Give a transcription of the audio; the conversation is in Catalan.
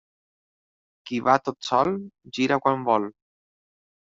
Qui va tot sol, gira quan vol.